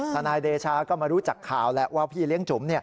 นายเดชาก็มารู้จักข่าวแหละว่าพี่เลี้ยงจุ๋ม